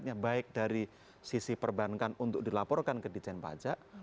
dan perangkatnya baik dari sisi perbankan untuk dilaporkan ke desain pajak